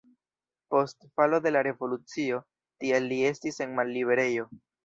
Post falo de la revolucio tial li estis en malliberejo.